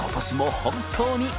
本当に。